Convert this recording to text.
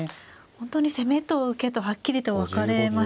本当に攻めと受けとはっきりと分かれましたね。